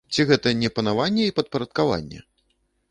Ці гэта не панаванне і падпарадкаванне?